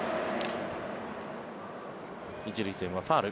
１塁線はファウル。